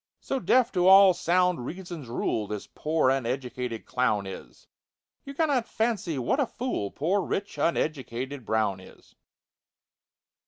So deaf to all sound Reason's rule This poor uneducated clown is, You can_not_ fancy what a fool Poor rich uneducated BROWN is.